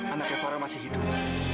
anaknya farah masih hidup